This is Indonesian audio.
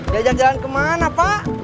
diajak jalan kemana pak